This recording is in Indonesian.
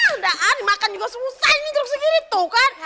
udah dimakan juga susah ini jeruk segini tuh kan